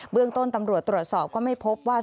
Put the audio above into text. เรื่องต้นตำรวจตรวจสอบก็ไม่พบว่า